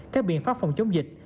các biện pháp phòng chống dịch